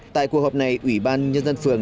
tại cuộc họp này ủy ban nhân dân phường